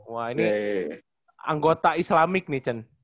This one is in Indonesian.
wah ini anggota islamik nih cun